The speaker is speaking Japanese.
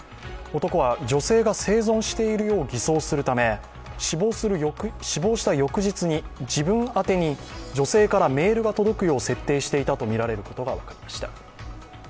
男は女性が生存しているよう偽装するため、死亡した翌日に自分宛てに女性からメールが届くよう設定していたとみられることが分かりました。